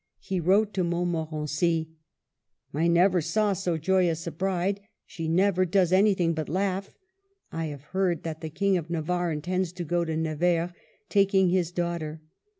He wrote to Montmorency :—" I never saw so joyous a bride ; she never does anything but laugh. I have heard that the King of Navarre intends to go to Nevers, taking his daughter.